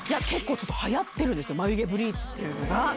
いや、結構ちょっとはやってるんですよ、眉毛ブリーチというのが。